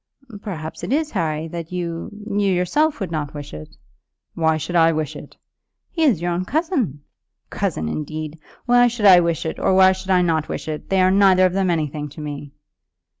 "Perhaps it is, Harry, that you, you yourself would not wish it." "Why should I wish it?" "He is your own cousin." "Cousin indeed! Why should I wish it, or why should I not wish it? They are neither of them anything to me."